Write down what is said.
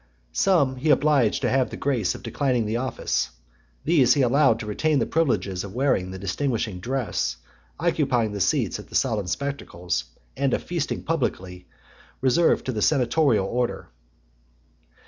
Some he obliged to have the grace of declining the office; these he allowed to retain the privileges of wearing the distinguishing dress, occupying the seats at the solemn spectacles, and of feasting publicly, reserved to the senatorial order .